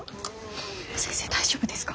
先生大丈夫ですか？